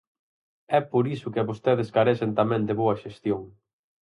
É por iso que vostedes carecen tamén de boa xestión.